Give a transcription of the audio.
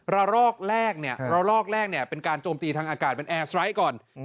ระลอกแรกระลอกแรกเป็นการโจมตีทางอากาศเป็นแอร์สไตล์ก่อน